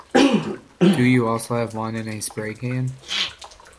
Do you also have one in a spray can?